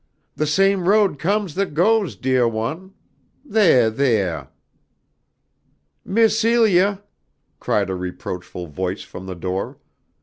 The same road comes that goes, deah one. Theah! Theah!" "Miss Celia," cried a reproachful voice from the door.